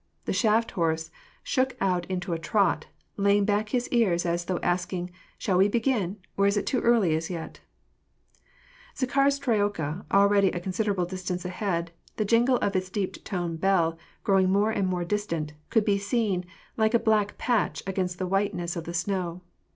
The shaft horse shook out into a trot, laying back his ears as though asking, " Shall we begin, or is it too early as yet ?" Zakhar's troika, already a considerable distance ahead, the jingle of its deep toned bell growing more and more distant, could be seen, like a black patch against the whiteness of the snow.